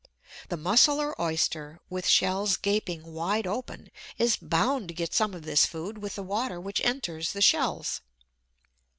The Mussel or Oyster, with shells gaping wide open, is bound to get some of this food with the water which enters the shells.